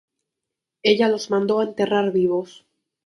Ella los mandó a enterrar vivos.